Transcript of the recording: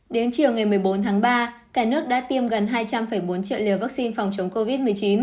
đến chiều ngày một mươi bốn tháng ba cả nước đã tiêm gần hai trăm linh bốn triệu liều vaccine phòng chống covid một mươi chín